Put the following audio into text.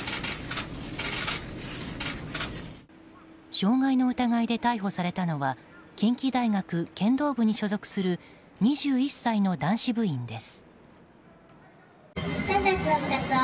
傷害の疑いで逮捕されたのは近畿大学剣道部に所属する２１歳の男子部員です。